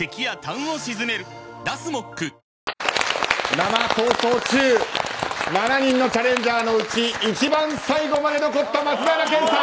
生「逃走中」７人のチャレンジャーのうち一番最後まで残った松平健さん